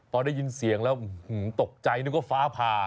พอได้ยินเสียงแล้วตกใจนึกว่าฟ้าผ่า